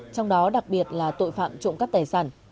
trong đó đặc biệt là tội phạm trộm cắp tài sản